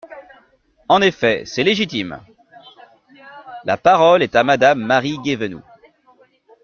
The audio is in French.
En effet ! C’est légitime ! La parole est à Madame Marie Guévenoux.